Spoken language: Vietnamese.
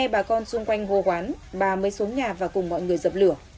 bà mới xuống nhà và cùng mọi người dập lửa